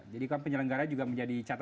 jadi kan penyelenggara juga menjadi cipta